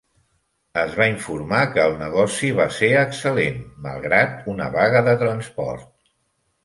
Es va informar que el negoci va ser excel·lent malgrat una vaga de transport.